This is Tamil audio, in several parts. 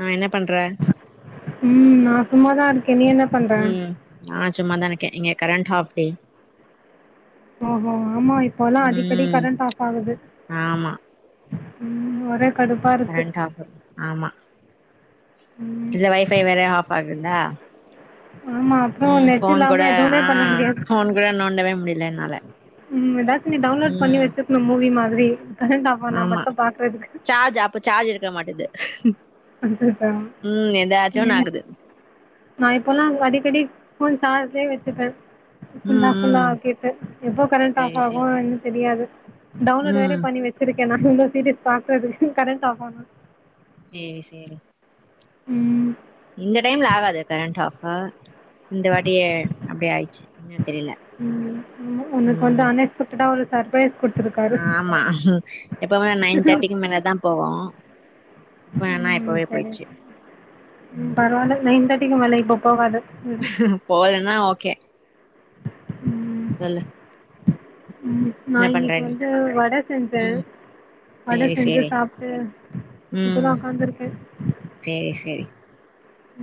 ஆ என்ன பண்ற ம் நா சும்மாதா இருக்கே நீ என்ன பண்ற? ம் நா சும்மாதா இருக்கே இங்க கரண்ட் ஆஃப் டே ஓஹோ ஆமா இப்போல்லா அடிக்கடி ம் கரண்ட் ஆஃப் ஆகுது ஆமா ம் ஒரே கடுப்பா இருக்கு. கரண்ட் ஆஃப் ஆமா ம் இதுல வைஃபை வேற ஆஃப் ஆகுலா ஆமா அப்புறம் ம் நெட் ஃபோன் கூட இல்லாம எதுவுமே ஆ பண்ண முடியாது. ஃபோன் கூட நோண்டவே முடில என்னால ம் எதாச்சு நீ டவுன்லோட் பண்ணி ம் வெச்சிருக்கணு மூவி மாதிரி கரண்ட் ஆஃபானா ஆமா மட்டு பாக்குறதுக்கு சார்ஜ் அப்ப சார்ஜ் இருக்க மாட்டேது அச்சச்சோ! ம் எதாச்சு ஒன்னு ஆகுது நா இப்போலா அடிக்கடி ஃபோன் சார்ஜ்லே வெச்சுப்பே ஃபுல்லா ம் ஃபுல்லா ம் ஆக்கிட்டு எப்போ கரண்ட் ஆஃப் சேரி சேரி ஆகுன் என்ன தெரியாது டவுன்லோடு வேற ம் பண்ணி வெச் ச்சிருக்கே நா [unintelligible] சீரியஸ் பாக்றதுக்கு கரண்ட்டு ஆஃபான சேரி சேரி ம் இந்த டைம்ல ஆகாது கரண்ட்டு ஆஃபு இந்த வாட்டியே அப்டி ஆயிச்சு என்ன தெரில ம் ம் உ உனக்கு வந்து அன் எக்ஸ்பெக்டடா ஒரு சர்ப்ரைஸ் குடுத்துருக் அ ஆமா எப்வுமே நைன் தேர்ட்டிக்கு மேலதா போவு ம் சரி ம் பரவால்ல நைன் தேர்ட்டிக்கு மேல இப்போ போகாது போவலனா ஓகே ம் சொல்லு ம் நா என்ன பண்ற இன்னிக்கு நீ வந்து வட செஞ்சே ம் வட சேரி செஞ்சு சேரி சாப்டு ம் இப்பதா உக்காந்துருக்கே சேரி சேரி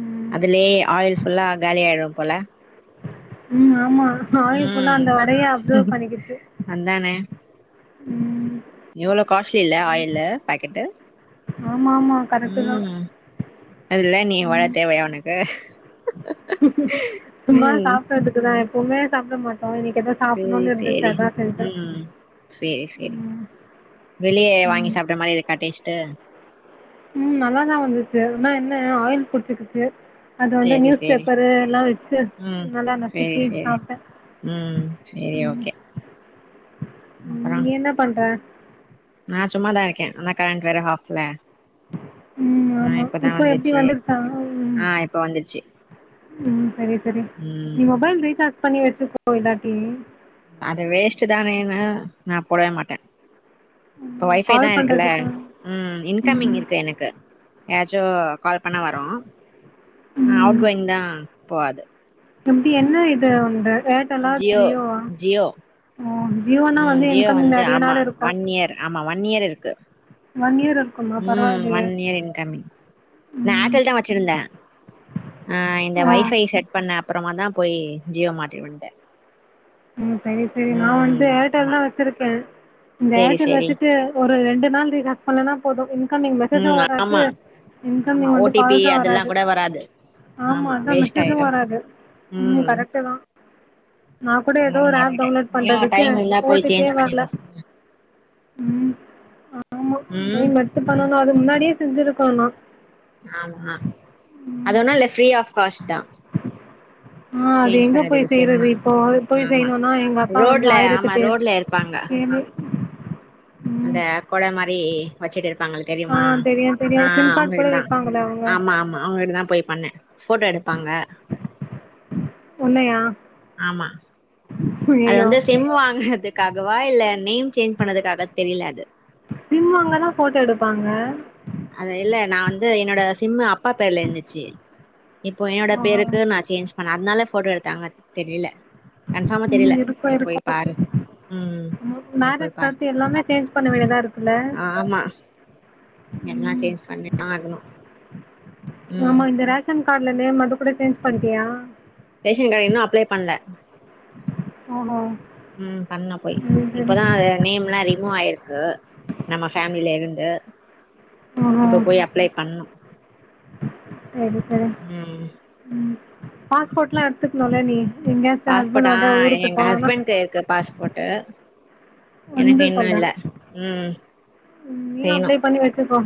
ம் அதுலயே ஆயில் ஃபுல்லா காலி ஆயிடு போல ம் ஆமா ஆயில் ஃபுல்லா ம் அந்த வடயே அப்சர்வ் பண்ணிக்கிச்சு அந்தானே ம் எவ்ளோ காஸ்லில்ல ஆயிலு பாக்கெட்டு ஆமாமா ம் அதுல நீ வழ ம் தேவையா உனக்கு சும்மா ம் சாப்பட்றதுக்குதா எப்பவுமே சாப்ட மாட்டோ இன்னிக்கெதோ சேரி சாப்புனோனு இருந்துச்சி சேரி அதா செஞ்சே ம் சேரி சேரி வெளியே வாங்கி ம் சாப்டா மாரி இருக்கா டேஸ்ட்டு ம் நல்லாதா வந்துச்சு ஆனா என்ன ஆயில் புட்டுக்கிச்சு அது வந்து சேரி நியூஸ் சேரி பேப்பரு எல்லா வெச்சு ம் நல்லா சேரி நசுக்கி சேரி சாப்ட்டே ம் செரி ஓகே ம் அப்றோ நீ என்ன பண்ற நா சும்மாதா இருக்கே அதா கரண்ட்டு வேற ஹாஃப்ல ம் ஆ ஆமா இப்பதா இப்போ எப்டி வந்துச்சு வந்துருச்சா ம் ஆ இப்ப வந்துருச்சு ம் ம் செரி செரி ம் நீ மொபைல் ரீசார்ஜ் பண்ணி வெச்சுக்கோ இல்லாட்டி அது வேஸ்ட்டு தானேன்னு நா போடவே மாட்ட இப்ப ம் ஒய்ஃபை தா கால் இருக்குல்ல பண்றதுக்கு ம் இன்கமிங் ம் இருக்கு எனக்கு யாராச்சு கால் பண்ணா வரு அ அவுட் கோயிங் தா போவாது அப்டி என்ன இது உந்து ஏ ர்டெல்லா ஜியோ ஜியோவா ஜியோ ஓ ஜியோனா ம் வந்து ஜியோ இன்கமிங் வந்து நெறைய ஆமா நாள் இருக்கு ஒன் இயர் ஆமா ஒன் இயர் இருக்கு ஒன் இயரு ம் ஒன் இயர் இன்கமிங் நா ம் ஆர்டல் தா வச்சிருந்தே ஆ இந்த ஓ வைஃபை செட் பண்ண அப்றமா தா போய் ஜீயோ மாட்டி வன்ட்டே ம் செரி செரி நா வந்து ம் ஏர்டெல் ஆமா தா வெச்சிருக்கே இந்த சேரி ஏர்டெல் சேரி வெச்சுட்டு ஒரு ரெண்டு நாள் ரீச்சார்ஜ் பன்லனா போது இன்கம்மிங் மெசேஜு ம் ஆமா வராது ஆமா இன்கம்மிங் ஓ வந்து டி பி கால்சு அதெல்லா வராது கூட ஆமா அதா வேஸ்ட் மெசேஜு ஆயிரு வராது ம் கரெக்டு தா நா கூட ஏதோ அதனால ஒரு ஆப் மாத்திக்கிட்டே டவுன்லோட் நீயு பண்றதுக்கு டைம் இருந்தா ஓ போய் டி பி யே சேஞ்ச் வர்ல பண்ணிக்கோ சிம்ம ம் ஆமா ம் ஏய் மத்து ம் பண்ணனு அது முன்னாடியே செஞ்சிருக்கனு ஆமா அது ஒண்ணு இல்ல ஃப்ரீ ஆஃப் காஸ்ட் தா ஆ அது சேஞ்ச் எங்க பண்ணதுக்கு போய் செய்றது சிம்ம இப்போ போய் ஆமா செய்ணுனா எங்க அப்பா வந்து ரோட்ல ஆமா ஆயிரத்தெட்டு ரோட்ல இருப்பாங்க வேனா அந்த கொட மாரி வச்சுட்டு இருப்பாங்கள்ள ஆ தெரியுமா தெரியு தெரியு ஆ சிம் கார்டு கூட அவுங்கிட்ட தா விப்பாங்களே அவங்க ஆமா ஆமா அவுங்கிட்ட தா போய் பண்ணே ஃபோட்டோ எடுப்பாங்க உன்னையா ஆமா அது ஐயையோ வந்து சிம் வாங்கினதுக்காகவா இல்ல நேம் சேஞ்ச் பண்ணதுக்காக தெரில அது சிம் வங்க தா ஃபோட்டோ எடுப்பாங்க அத இல்ல நா வந்து என்னோட சிம்மு அப்பா பேர்லருந்துச்சு இப்போ என்னோட ஆஹா பேருக்கு நா சேஞ்ச் பண்ணே அதனால ஃபோட்டோ எடுத்தாங்க தெரில கன்ஃபார்மா தெரில ம் இருக்கும் நீ போய் இருக்கும் பாரு ம் நீ போய் மேரேஜ்க்கு பாரு அடுத்து எல்லாமே சேஞ்ச் பண்ண வேண்டியதாக இருக்குல்ல ஆமா எல்லா ம் சேஞ்ச் பண்ணிதா ஆகணு ம் ஆமா இந்த ரேஷன் கார்ட்ல நேம் மட்டு கூட சேஞ்ச் பண்ணிட்டியா ரேஷன் கார்ட் இன்னு அப்ளை பண்ல ஓஹோ ம் பண்ணே போய் சரி சரி இப்பதா அது நேம்லா ரிமூவ் ஆய்ருக்கு நம்ம ஃபேமிலில இருந்து இப்ப போய் அப்ளை பண்ணுனு சேரி சேரி ம் ம் பாஸ்போர்ட்ல்லா எடுத்துக்னுல நீ எங்கயாச்சு பாஸ்போர்ட் ஆ ஹஸ்பண்டோட ஊருக்கு எங்க போகனு ஹஸ்பண்ட்க்கு இருக்கு பாஸ்போர்ட்டு எனக்கு வந்து இன்னு இல்ல ம் நீயு செய்யணு அப்ளை பண்ணி வச்சிருக்கோ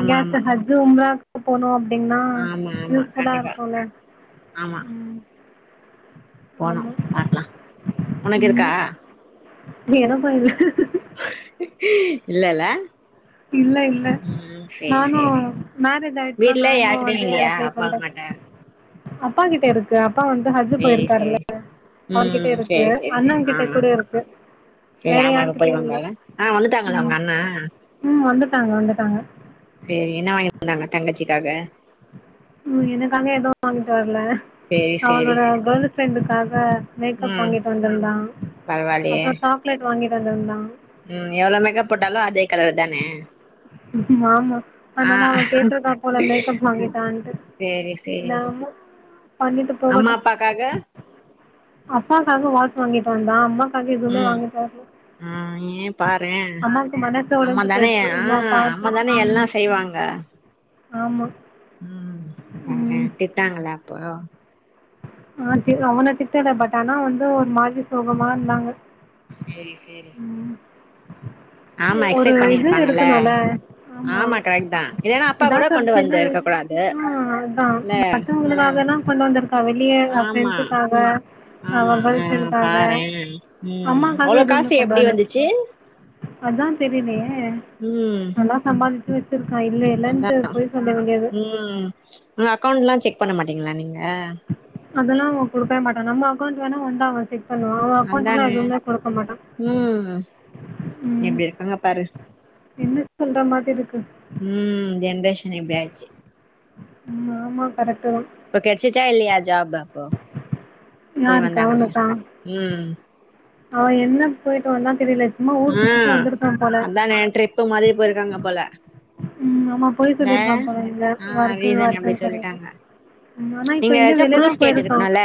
ஆமா ஆமா [unintelligible] போனு அப்டின்னா ஆமா ஆமா கண்டிப்பா யூஸ்ஃபுல்லாருக்குல ஆமா போனு ஆமாம் பாக்லா ஒனக்கிருக்கா எனக்கு இல்ல இல்லல்ல இல்ல இல்ல ம் சேரி நானு சேரி மேரேஜ் ஆய்டுச்சுனா வீட்ல நானு யார்கிட்டயு அப்டியே இல்லையா அப்ளை அப்பா பண்றே அம்மாட்ட அப்பா கிட்டருக் க்கு அப்பா வந்து ஹஜு சேரி போய்ருக்காருல சேரி அவர்கிட்ட ம் இருக்கு சேரி சேரி அண்ணன் ஆ கிட்ட கூட இருக்கு சேரி வேற ஆமா இப்ப போய் யார்கிட்டயும் இல்ல. வந்தாங்க ஆ வந்துட்டாங்களா ம். ஒங்க அண்ணெ ம் வந்துட்டாங்க வந்துட்டாங்க சேரி என்ன வாங்கிட்டு வந்தாங்க தங்கச்சிக்காக ம் எனக்காக எதுவும் வாங்கிட்டு வரல சேரி சேரி அவனோட கேர்ள் ஃப்ரெண்டுக்காக மேக்கப் வாங்கிட்டு வந்திருந்தான் பரவாலியே க்லேட் வாங்கிட்டு வந்திருந்தான் ம் எவ்ளோ மேக்கப் போட்டாலும் அதே கலர் தானே ஆமா ஆ அதனால அவ கேட்ருக்கா போல மேக்கப் வாங்கி தான்ட்டு சேரி சேரி என்னாமோ அம்மா அப்பாக்காக அப்பாக்காக வாட்ச் வாங்கிட்டு வந்தான் அம்மா க்கு எதுவுமே ம் வாங்கிட்டு வரல ஆ ஏ பாரே அம்மாக்கு மனச அம்மா ஒடஞ்ஜி தானே ஆ போயிடுச்சு இவ்ளோ பாத்து அம்மாதானே ம் எல்லாம் செய்வாங்க ஆமா ம் ம் பாரேன் திட்னாங்களா அப்போ ஆ அவன திட்டல பட் ஆனா வந்து ஒரு மாதிரி சோகமா இருந்தாங்க சேரி சேரி ஆமா ஒரு எக்ஸ்பெக்ட் இது பண்ணிருப்பாங்கல்ல இருக்கணும்ல ஆமா கரெக்ட் தா இல்லன்னா அப்பா கூட ஏதாச்ச ஒரு கொண்டு சின்ன வந்து இருக்க கூடாது ஆ அதான் இல்ல ஆ மத்தவங்களுக்காகலாம் கொண்டு வந்திருக்கா வெளியே ஆமா ஃப்ரெண்ட்ஸுக்காக ஆமா அவன் ஆ கேர்ள் ஃப்ரெண்ட்காக பாரே ம் அம்மாக்காக அவ்ளோ எதுமே காசு கொண்டுவ எப்டி வந்துச்சு அதான் தெரியலயே ம் நல்லா சம்பாதிச்சு வச்சிருக்கான் இல்ல அதா இல்லன்ட்டு பொய் சொல்ல வேண்டியது ம் அக்கௌண்ட்ல்லாம் செக் பண்ண மாட்டீங்களா நீங்க அதெல்லாம் அவன் குடுக்கவே மாட்டான் நம்ம அக்கௌண்ட் வேணா வந்தா பண்ணுவான் அவன் அக்கௌண்ட்ல்லாம் அதானே எதுவுமே குடுக்க மாட்டான் ம் ம் எப்டி இருக்காங்க பாரு என்ன சொல்ற மாதிரி இருக்கு ம் ஜென்ரேஷன் இப்படியாச்சு ஆமா கரெக்ட்டுதான் இப்ப கிடைச்சிச்சா இல்லையா ஜாப் அப்போ போய் யாருக்கு வந்தாங்களே ம் அவன் என்ன போயட்டு வந்தானு தெரியல சும்மா ஊர் ஆ சுத்திட்டு வந்திருப்பா போல அதானே ட்ரிப்பு மாதிரி போயிருக்காங்க போல ம் ஆமா போய் இல்ல சொல்லியிருக்கான் போல இங்க ஆ வொர்க்கு ரீசன் வொர்க்கு அப்டி கிடையாது சொல்லிட்டாங்க ஆனா இப்ப நீங்க எங்க ஏதாச்சும் வெளியதா ப்ரூஃப் போயிருக்கான் கேட்டுருக்கணும்ல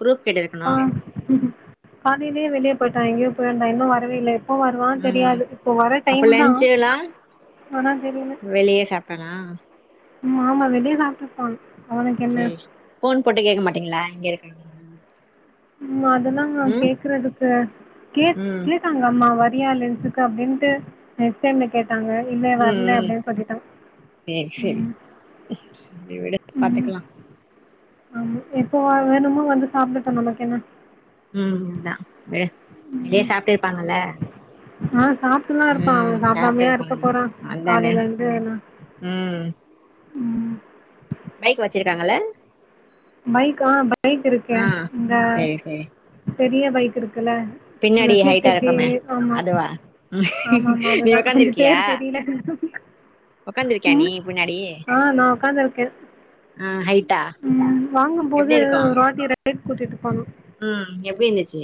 ப்ரூஃப் ஆ கேட்டுருக்கணும் இப்பவே வெளிய போயிட்டா எங்கியோ போயிருந்தா இன்னு வரவே இல்ல எப்போ வருவான் ம் தெரியாது இப்போ வர அப்ப டைம் தான் ஆனா தெரியல வெளிய சாப் ஆனா ம் ஆமா வெளியே சாப்பிட்டிருப்பான் அவனுக்கு என்ன போன் போட்டு கேட்க மாட்டீங்களா எங்க இருக்காங்க அதெல்லாம் கேக்கறதுக்கு கே ம் எங்கம்மா வரியா‌ லன்ச்சுக்கு அப்படின்ட்டு கே கேட்டாங்க இல்ல ம் வர்ல ம் அப்படின்னு சொல்லிட்டான் சேரி சேரி ம் சேரி விடு பாத்துக்கலாம் ஆ எப்போ வேணுமோ வந்து சாப்டட்டு நமக்கு என்ன ம் அதா வெ வெளிய சாப்ட்டு இருப்பாங்கல்ல ஆ சாப்ட்டுதா இருப்பா அவெ ம் சாப்ட்டு சாப்டாமையா இருக்க இருப்பாங்க போறா அதானே காலைல இருந்து எல்லா ம் பைக் வச்சுருக்காங்கள்ல பைக்கா பைக் இருக்கெ ஆ இந்த சேரி சேரி பெரிய பைக் இருக்குல பின்னாடி ஹைட்டா இருக்குமே அதுவா ம் ஆமா ஆமா நீ அதுதா அது உக்காந்துருக்கியா பேர் தெரில உக்காந்துருக்கியா நீ பின்னாடி ஆ நா உக்காந்துருக்கே அ ஹைட்டா எப்டி இருக்கு பைக் ஓட்டிட்டு போனு ம் எப்டி இருந்திச்சு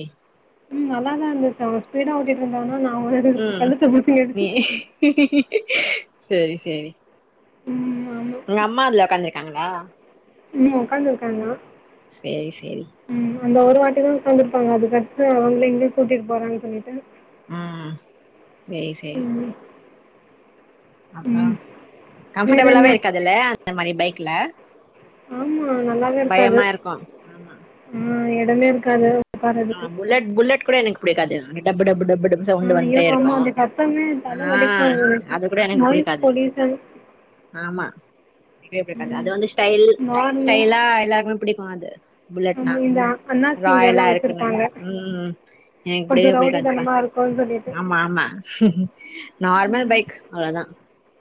ம் நல்லாதா இருந்துச் அவெ ஸ்பீடா ஓட்டிட்டு வந்தானா நா அவெ ம் கழுத்த போட்டு நீ நெறுச்சு சேரி சேரி ம் ஆமா உங்க அம்மா அதுல உட்காந்துருக்காங்களா ம் ஓக்காந்து இருக்காங்க சேரி சேரி ம் அந்த ஒரு வாட்டி தா உக்காந்துருப்பாங்க அதுக்கடுத்து அவுங்ள எங்கெயு கூட்டிட்டு போறான் சொல்லிட்டு ம் சேரி சேரி அப்பறொ ம் வேறு என்ன கம்ஃபர்டபுளாவே இருக்காதுல்ல அந்த மாரி பைக்குல ஆமா நல்லாவே இருக்காது ஆமா ஆ எடமே இருக்காது ஆ உட்கார்றதுக்கு புல்லட் புல்லட் கூட எனக்கு புடிக்காது டப்பு டப்பு டப்பு டப் ஆ சவுண்டு ஐயோ வந்ட்டே இருக்கு ஆமாம் அந்த சத்தமே தலை ஆ வலிக்கும் எனக்கு அது கூட எனக்கு நாய்ஸ் புடிக்காது பொல்யூஷன் ஆமா புடிக்கவே புடிக்காது அது ம் வந்து ஸ்டைல் நார்மல் ஸ்டைலா எல்லாருக்குமே புடிக்கு அது புல்லட்னா ஆமாம் இந்த ராயலா அண்ணாச்சிங்கெல்லாம் இருக் வச்சுருப்பாங்க ம் என்க் புடிகவே கொஞ்சம் புடிக்காதுப்பா ரவுடித்தனமாக இருக்கும்னு சொல்லிட்டு ஆமா ஆமா நார்மல் பைக் அவ்ளோதா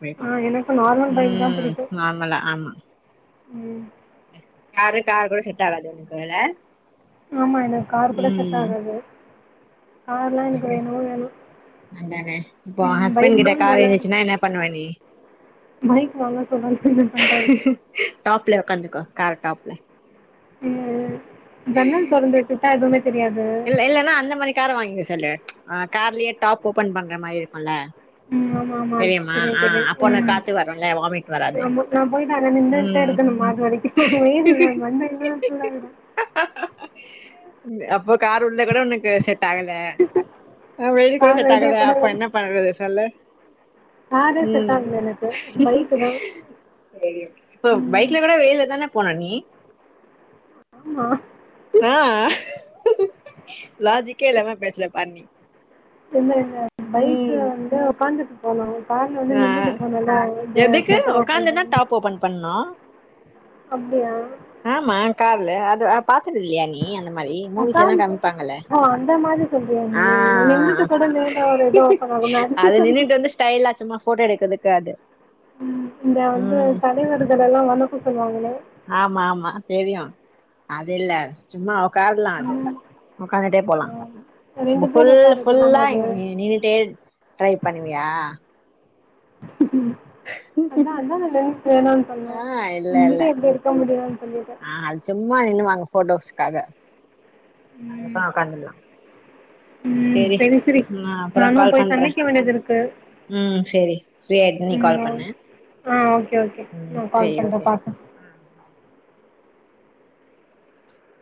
புய்க்கு ஆ எனக்கு நார்மல் பைக் தான் ம் பிடிக்கும் நார்மலா ஆமா ம் காரு கார் கூட செட் ஆகாது [unintelligible] ஆமா எனக்கு கார் கூட செட் ம் ஆகாது கார்லா எனக்கு வேனு வேனு அதானே இப்போ ஹஸ்பண்ட் கிட்ட கார் இந்துச்சுனா நல்லாயிருக்கும் என்ன பண்ணுவ நீ பைக் வாங்க சொல்றான் கிண்டல் பண்றாரு டாப்ல உக்காந்துக்கோ கார் டாப்ல ஜன்னல் தொறந்து விட்டுட்டா எதுவுமே தெரியாது இல்ல இல்லன்னா அந்த மாரி கார் வாங்க சொல்லு கார்லயே டாப் ஓபன் பண்ற மாரி இருக்குல்ல ம் ஆமா தெரியுமா தெரியு ஆ தெரியு அப்போ உனக்கு காத்து வரும்ல வாமிட் வராது நா போயிட்டு அதுல நின்னுட்டே ம் இருக்கணுமா அது வரக்கி வெயில் மா மண்டையெல்லா சூடாகிரு அப்போ கார் உள்ள கொட உனக்கு செட் செட் ஆகல வெள்ய கொட கார் செட் ஐடியா ஆகல கூட அப்ப என்ன வேணாம் பண்றது சொல்லு காரே செட் ம் ஆகல எனக்கு பைக்கு தான் இப்போ ம் பைக்ல கொட வெயில தான போன நீ ஆமா அ லாஜிக்கே இல்லாம பேசுல பார் நீ இல்ல இல்ல பைக்ல ம் வந்து ஒக்காந் போனு கார்ல வந்து ஆ நின்னுட்டு போனுல்ல எதுக்கு செட்ட ஓபன் உக்காந்துதா பண்ணி டாப் ஓபன் பண்ணு அப்டியா ஆமா கார்ல அது பாத்ததில்லயா நீ அந்த மாரி மூவிஸ்லெலா உட்காந்து காமிப்பாங்கல்ல ஓ அந்த மாரி சொல்ரியா ஆ நீ எங்கட்டு கூட மேல ஒரு எதோ ஓபன் ஆகுல [unintelligible] ஸ்டைல்லா சும்மா போட்டோ எடுக்கதுக்கு அது ம் இந்த வந்து ம் தலைவர்களெல்லா வணக்க சொல்வாங்களே ஆமா ஆமா தெரியு அது இல்ல சும்மா உக்கார்லா அது உக்காந்துட்டே போலா ஆ ரெண்டு ஃபுல் பேர் உட்கார்றது தான ஃபுல்லா அது இங்க நின்னுடே ட்ரை பண்ணுவியா ம் அதா அதா நா லென்த் வேனானு சொன்னோ ஆ இல்ல இல்ல நின்னுட்டே எப்படி இருக்க முடியுன்னு சொல்லிட்டு ஆ அது சும்மா நின்னுவாங்க போட்டோஸ்காக அங்க ம் போய் உக்காந்துன்லா ம் சேரி சரி சரி நா அப்றோ நானு கால் போய் பண்றே சமைக்க வேண்டியது இருக்கு ம் சேரி ஃப்ரீயாய்ட்டு நீ கால் ம் பண்ணு ஆ ஓ கே ஓ கே ம் நான் கால் சேரி ஓகே பண்ற பாக்ற